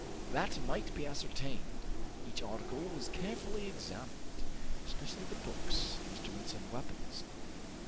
That might be ascertained. Each article was carefully examined, especially the books, instruments and weapons.